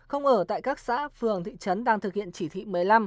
không ở tại các xã phường thị trấn đang thực hiện chỉ thị một mươi năm